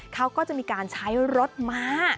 เขาก็จะมีการใช้รถม้า